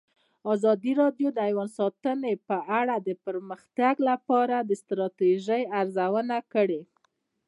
ازادي راډیو د حیوان ساتنه په اړه د پرمختګ لپاره د ستراتیژۍ ارزونه کړې.